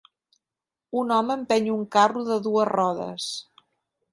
Un home empeny un carro de dues rodes